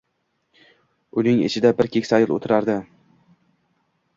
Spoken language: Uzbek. Uyning ichida bir keksa ayol o`tirardi